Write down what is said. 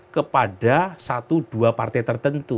kepada satu dua partai tertentu